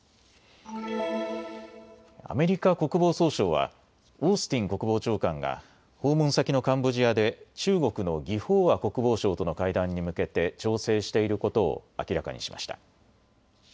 アメリカ国防総省はオースティン国防長官が訪問先のカンボジアで中国の魏鳳和国防相との会談に向けて調整していることを明らかにしました。